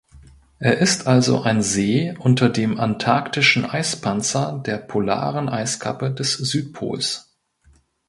Er ist also ein See "unter" dem „antarktischen Eispanzer“ der polaren Eiskappe des Südpols.